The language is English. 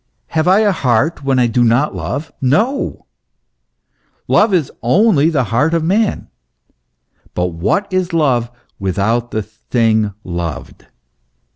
Have I a heart when I do not love ? No ! love only is the heart of man. But w T hat is love without the thing loved